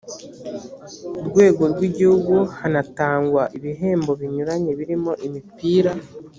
rwego rw igihugu hanatangwa ibihembo binyuranye birimo imipira